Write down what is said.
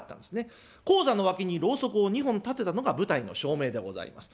高座の脇にろうそくを２本立てたのが舞台の照明でございます。